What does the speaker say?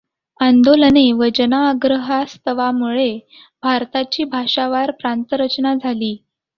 आंदोलने व जनाग्रहास्तवामुळे भारताची भाषावार प्रांतरचना झाली.